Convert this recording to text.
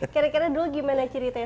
kira kira dulu gimana ceritanya